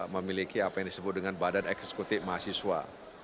memiliki apa yang disebut dengan badan eksekutif mahasiswa